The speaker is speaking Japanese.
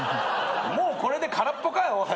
もうこれで空っぽかよおい。